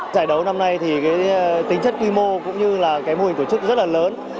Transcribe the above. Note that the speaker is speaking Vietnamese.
giải đấu năm nay tính chất quy mô cũng như mô hình tổ chức rất lớn